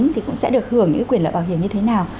thì cũng sẽ được hưởng những quyền lợi bảo hiểm như thế nào